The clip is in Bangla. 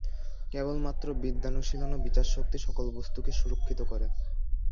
কেবলমাত্র বিদ্যানুশীলন ও বিচারশক্তি সকল বস্তুকে সুরক্ষিত করে।